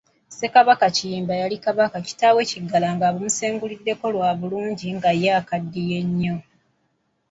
Ssekabaka Kiyimba yali kabaka kitaawe Kiggala ng'abumuseguliddeko lwa bulungi nga ye akaddiye nnyo.